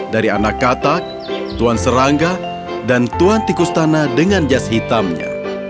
dari anak katak tuan serangga dan tuan tikus tanah dengan jas hitamnya